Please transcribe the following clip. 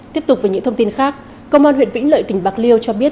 tiếp tục với những thông tin khác công an huyện vĩnh lợi tỉnh bạc liêu cho biết